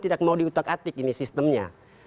tidak mau diutak atik ini sistemnya